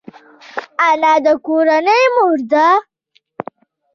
انا د کورنۍ مور ده